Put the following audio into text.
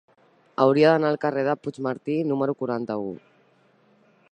Hauria d'anar al carrer de Puigmartí número quaranta-u.